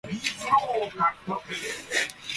おにいさん！！！